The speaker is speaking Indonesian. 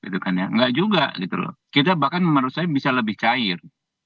tidak juga gitu loh kita bahkan menurut saya bisa lebih cair